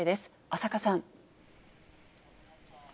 浅賀さん。